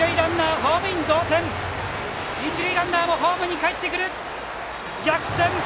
一塁ランナーもホームにかえって逆転！